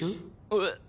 えっ？